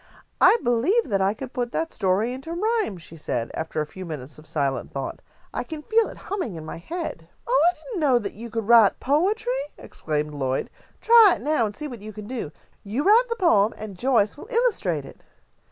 "I believe that I could put that story into rhyme," she said, after a few minutes of silent thought. "I can feel it humming in my head." "Oh, I didn't know that you could write poetry," exclaimed Lloyd. "Try it now, and see what you can do. You write the poem, and Joyce will illustrate it."